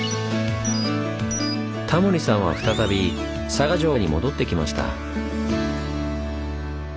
タモリさんは再び佐賀城に戻ってきました。